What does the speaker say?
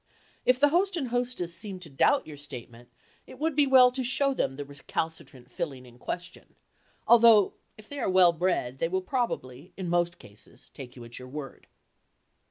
If the host and hostess seem to doubt your statement, it would be well to show them the recalcitrant filling in question, although if they are "well bred" they will probably in most cases take you at your word.